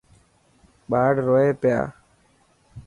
ٻاڙ روئي پيا.